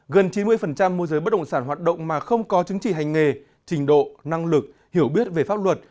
gần chín mươi môi giới bất động sản hoạt động mà không có chứng chỉ hành nghề trình độ năng lực hiểu biết về pháp luật